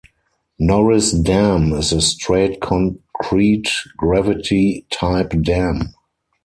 Norris Dam is a straight concrete gravity-type dam.